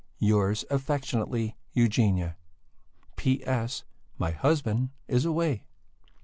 Yours affectionately, EUGENIA. P.S. My husband is away.